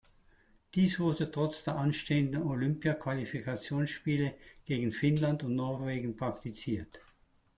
Dies wurde trotz der anstehenden Qlympia-Qualifikationsspiele gegen Finnland und Norwegen praktiziert.